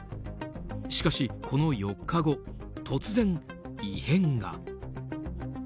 しかし、この４日後突然異変が。